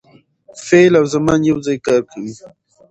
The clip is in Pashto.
فعل او زمان یو ځای کار کوي.